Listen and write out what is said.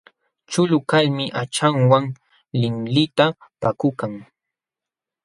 Chulu kalmi aqchanwan linlinta pakakun.